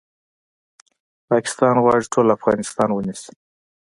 پاکستان غواړي ټول افغانستان ونیسي